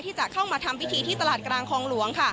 ที่จะเข้ามาทำพิธีที่ตลาดกลางคลองหลวง